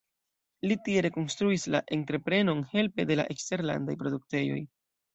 Li tie rekonstruis la entreprenon helpe de la eksterlandaj produktejoj.